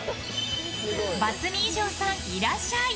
バツ２以上さんいらっしゃい！